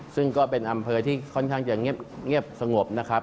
ซึ่งก็เป็นอำเภอที่ค่อนข้างจะเงียบสงบนะครับ